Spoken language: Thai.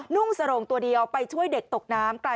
่งสโรงตัวเดียวไปช่วยเด็กตกน้ำ